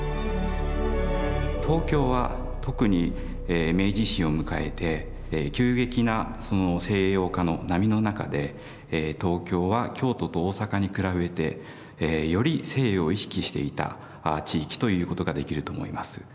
東京は特に明治維新を迎えて急激な西洋化の波の中で東京は京都と大阪に比べてより西洋を意識していた地域ということができると思います。